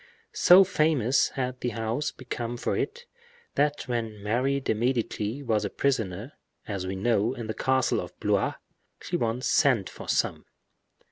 So famous had the house become for it, that when Mary de Medici was a prisoner, as we know, in the castle of Blois, she once sent for some.